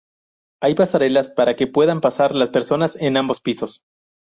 Hay pasarelas para que puedan pasar las personas en ambos pisos.